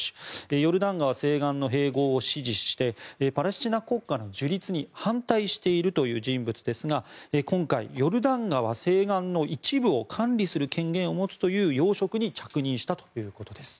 ヨルダン川西岸の併合を支持してパレスチナ国家の樹立に反対しているという人物ですが今回、ヨルダン川西岸の一部を管理する権限を持つという要職に着任したということです。